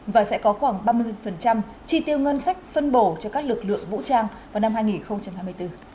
và sẽ có khoảng ba mươi chi tiêu ngân sách phân bổ cho các lực lượng vũ trang vào năm hai nghìn hai mươi bốn